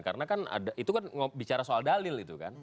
karena kan itu bicara soal dalil itu